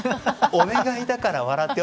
お願いだから笑って。